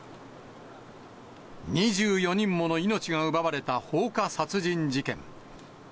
２４人もの命が奪われた放火殺人事件。